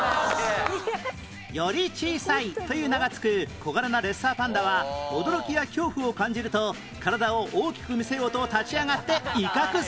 「より小さい」という名が付く小柄なレッサーパンダは驚きや恐怖を感じると体を大きく見せようと立ち上がって威嚇するんです